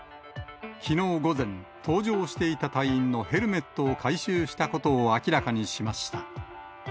きのう午前、搭乗していた隊員のヘルメットを回収したことを明らかにしました。